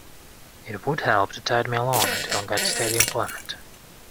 It would help to tide me along until I got steady employment.